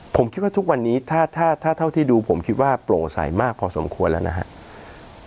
ผมคิดว่าทุกวันนี้ถ้าเท่าที่ดูผมคิดว่าโปร่งใสมากพอสมควรแล้วนะครับ